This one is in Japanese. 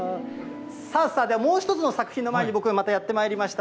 さあさあ、もう一つの作品の前に、僕、またやってまいりました。